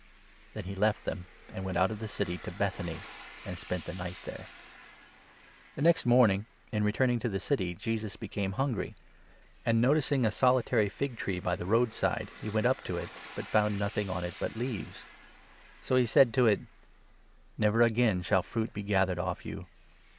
" Then he left them, and went out of the city to Bethany, and 17 spent the night there. Tne The next morning, in returning to the city, Jesus 18 fruitless became hungry ; and, noticing a solitary fig tree 19 Fie Tree, by the road side, he went up to it, but found nothing on it but leaves. So he said to it :" Never again shall fruit be gathered off you."